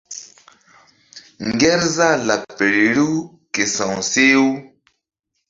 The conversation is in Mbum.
Ŋgerzah laɓ feri riw ke sa̧w seh-u.